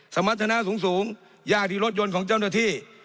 สมรรถนะสูงยากที่รถยนต์ของเจ้าหน้าที่